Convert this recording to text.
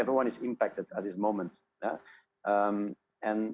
bagaimana saya bisa memberikan